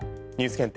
検定